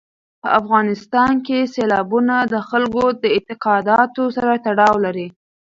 په افغانستان کې سیلابونه د خلکو د اعتقاداتو سره تړاو لري.